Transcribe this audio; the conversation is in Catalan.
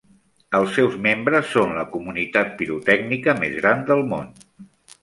Els seus membres són la comunitat pirotècnica més gran del món.